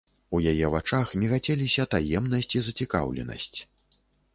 У яе вачах мігацеліся таемнасць і зацікаўленасць.